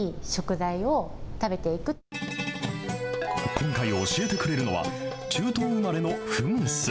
今回、教えてくれるのは中東生まれのフムス。